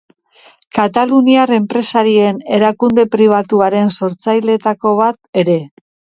Kataluniar enpresarien erakunde pribatuaren sortzaileetako bat ere.